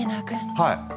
はい！